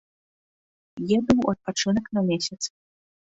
Еду ў адпачынак на месяц.